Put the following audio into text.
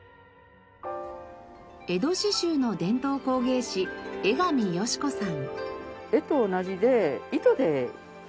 江戸刺繍の伝統工芸士江上芳子さん。